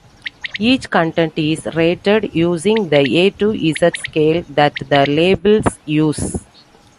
Each content is rated using the A to Z scale that the labels use.